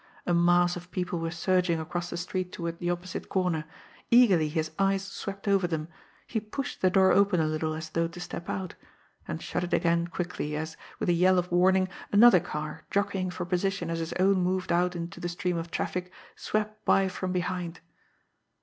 A mass of people were surging across the street toward the opposite corner. Eagerly his eyes swept over them; he pushed the door open a little as though to step out and shut it again quickly, as, with a yell of warning, another car, jockeying for position as his own moved out into the stream of traffic, swept by from behind.